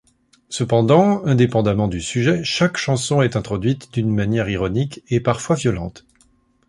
Cependant, indépendamment du sujet, chaque chanson est introduite d'une manière ironique et parfois violente.